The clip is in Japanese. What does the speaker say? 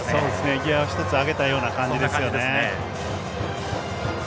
ギヤ１つ上げたような感じですよね。